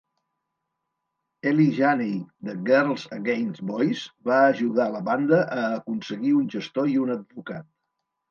Eli Janney de Girls Against Boys va ajudar la banda a aconseguir un gestor i un advocat.